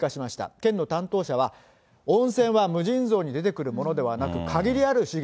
県の担当者は、温泉は無尽蔵に出てくるものではなく、限りある資源。